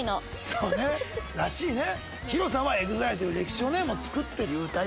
そうね。らしいね。